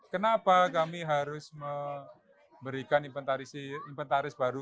kenapa kami harus memberikan inventaris baru